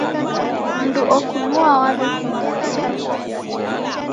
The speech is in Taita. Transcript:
Mndu okunua waw'ekunua.